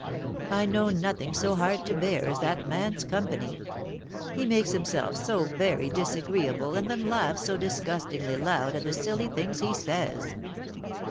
I know nothing so hard to bear as that man's company; he makes himself so very disagreeable, and then laughs so disgustingly loud at the silly things he says.